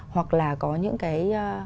hoặc là có những cái